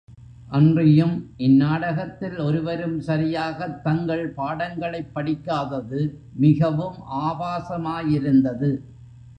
அன்றியும், இந்நாடகத்தில் ஒருவரும் சரியாகத் தங்கள் பாடங்களைப் படிக்காதது மிகவும் ஆபாசமாயிருந்தது.